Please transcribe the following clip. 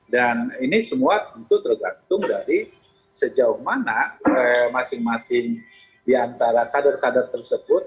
dan ini semua tentu tergantung dari sejauh mana masing masing di antara kader kader tersebut